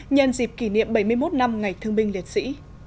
nhân dịp kỷ niệm bảy mươi một năm ngày thương binh liệt sĩ